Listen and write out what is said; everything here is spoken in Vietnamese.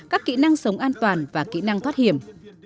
các kỹ năng sống an toàn và kỹ năng thoát hiểm